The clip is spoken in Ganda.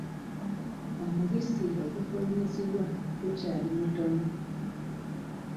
Omubisi ogufulumizibwa gukyali mutono.